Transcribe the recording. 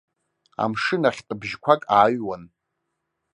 Амшын ахьтә бжьқәак ааҩуан.